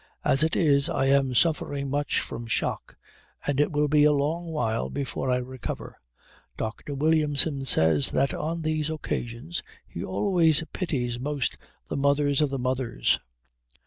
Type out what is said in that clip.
As it is I am suffering much from shock, and it will be a long while before I recover. Dr. Williamson says that on these occasions he always pities most the mothers of the mothers.